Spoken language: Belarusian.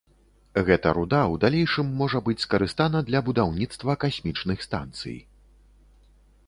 Гэта руда ў далейшым можа быць скарыстана для будаўніцтва касмічных станцый.